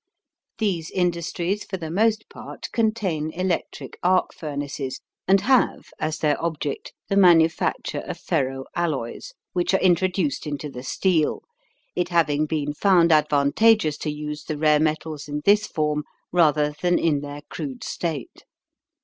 These industries for the most part contain electric arc furnaces and have, as their object, the manufacture of ferro alloys, which are introduced into the steel, it having been found advantageous to use the rare metals in this form rather than in their crude state.